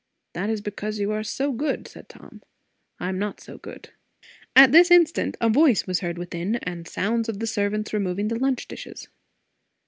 "That is because you are so good," said Tom. "I am not so good." At this instant a voice was heard within, and sounds of the servants removing the lunch dishes.